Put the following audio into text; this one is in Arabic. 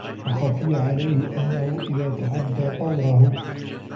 وَخَفِيَ عَلَيْهِ أَنَّهُ إذَا تَعَدَّى طَوْرَهُ